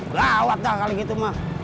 gawat dah kali gitu ma